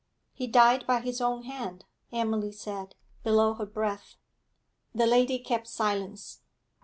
'He died by his own hand,' Emily said, below her breath. The lady kept silence.